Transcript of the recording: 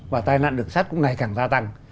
và tai nạn đường sắt cũng ngày càng gia tăng